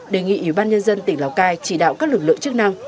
đề nghị ủy ban nhân dân tỉnh lào cai chỉ đạo các lực lượng chức năng